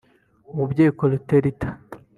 Umubyeyi Clotilde